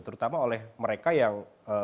terutama oleh mereka yang